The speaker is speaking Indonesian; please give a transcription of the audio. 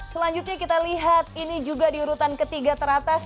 selanjutnya kita lihat ini juga di urutan ke tiga teratas sih